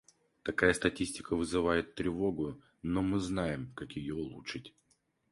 Такая статистика вызывает тревогу, но мы знаем, как ее улучшить.